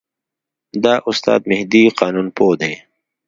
دا استاد مهدي قانونپوه دی.